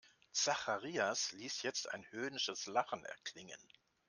Zacharias ließ jetzt ein höhnisches Lachen erklingen.